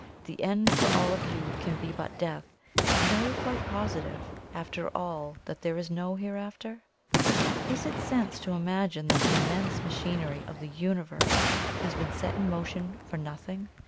The end for all of you can be but death; and are you quite positive after all that there is NO Hereafter? Is it sense to imagine that the immense machinery of the Universe has been set in motion for nothing?